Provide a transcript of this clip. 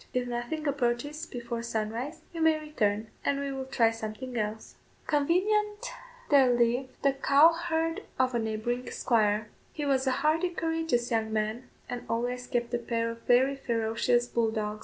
If nothing approaches before sunrise, you may return, and we will try something else." Convenient there lived the cow herd of a neighbouring squire. He was a hardy, courageous young man, and always kept a pair of very ferocious bull dogs.